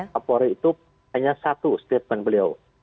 kapolri itu hanya satu statement beliau